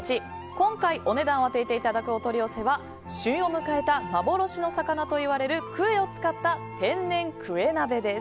今回お値段を当てていただくお取り寄せは旬を迎えた幻の魚といわれるクエを使った天然クエ鍋です。